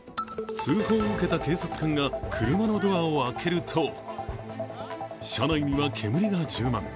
通報を受けた警察官が車のドアを開けると車内には煙が充満。